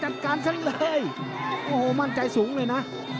จัดการฉันเลยโอ้โหมั่นใจสูงเลยนะ